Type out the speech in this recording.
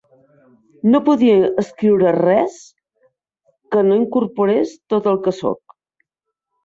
No podia escriure res que no incorporés tot el que soc.